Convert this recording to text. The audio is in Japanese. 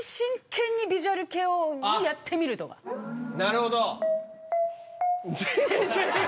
なるほど。